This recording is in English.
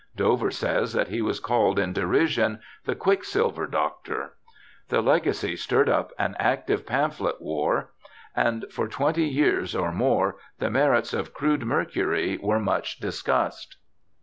Dover says that he was called in derision. The Quicksilver Doctor. The Legacy stirred up an active pamphlet war, and for THOMAS DOVER 33 twenty years or more the merits of crude mercury were much discussed.